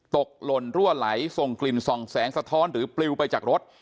หล่นรั่วไหลส่งกลิ่นส่องแสงสะท้อนหรือปลิวไปจากรถ